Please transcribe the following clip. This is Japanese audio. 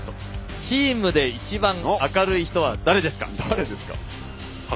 チームで一番明るい人は誰ですか。